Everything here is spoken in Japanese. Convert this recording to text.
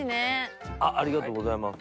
ありがとうございます。